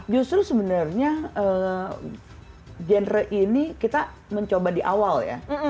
justru sebenarnya genre ini kita mencoba di awal ya